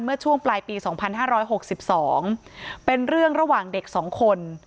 เมื่อช่วงปลายปีสองพันห้าร้อยหกสิบสองเป็นเรื่องระหว่างเด็กสองคน